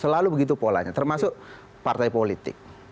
selalu begitu polanya termasuk partai politik